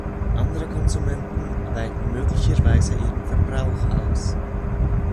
Andere Konsumenten weiten möglicherweise ihren Verbrauch aus.